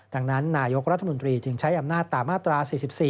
ดังนั้นนายกรัฐมนตรีจึงใช้อำนาจตามมาตรา๔๔